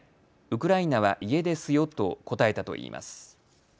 ウクライナは家ですよと答えたといいます。